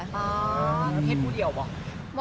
อ๋อแล้วเป็นผู้เดี่ยวเหรอ